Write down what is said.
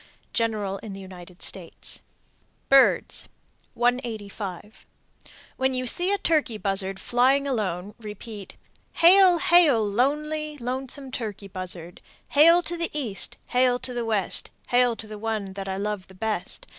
General in the United States. BIRDS. 185. When you see a turkey buzzard flying alone, repeat, Hail! Hail! Lonely, lonesome turkey buzzard: Hail to the East, hail to the West, Hail to the one that I love best.